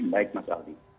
baik mas aldi